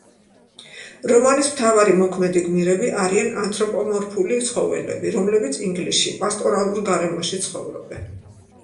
რომანის მთავარი მოქმედი გმირები არიან ანთროპომორფული ცხოველები, რომლებიც ინგლისში, პასტორალურ გარემოში ცხოვრობენ.